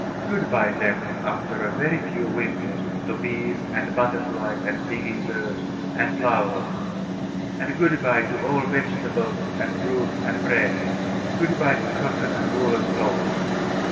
Good bye then, after a very few winters, to bees, and butterflies, and singing birds, and flowers; and good bye to all vegetables, and fruit, and bread; good bye to cotton and woollen clothes.